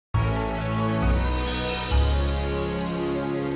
jika ada masalah silakan beritahu saya